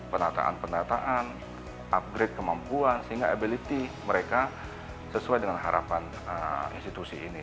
penataan penataan upgrade kemampuan sehingga ability mereka sesuai dengan harapan institusi ini